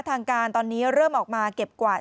ทางการตอนนี้เริ่มออกมาเก็บกวาด